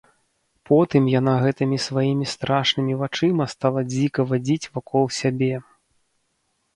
Потым яна гэтымі сваімі страшнымі вачыма стала дзіка вадзіць вакол сябе.